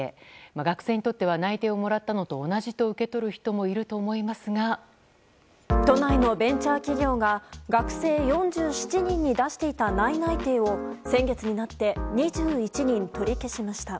学生にとっては内定をもらったのと同じと都内のベンチャー企業が学生４７人に出していた内々定を先月になって、２１人取り消しました。